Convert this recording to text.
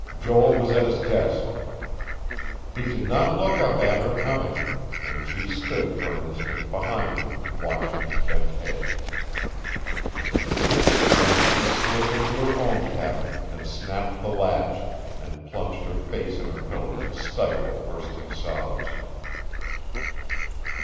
Joel was at his desk. He did not look up at her coming; and she stood for an instant, behind him, watching his bent head.... Then she slipped into her own cabin, and snapped the latch, and plunged her face in her pillow to stifle bursting sobs.